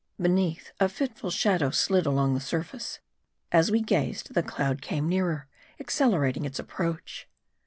Beneath, a fitful shadow slid along the sur face. As we gazed, the cloud came nearer ; accelerating its approach.